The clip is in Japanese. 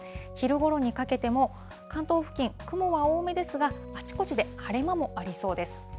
昼ごろにかけても、関東付近、雲は多めですが、あちこちで晴れ間もありそうです。